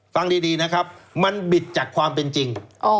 ฟังดีนะครับมันบิดจากความเป็นจริง